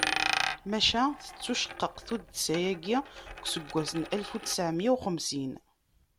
Maca tettwaceqqeq tuddsa-agi deg useggas n alef u ttɛemya u xemsin.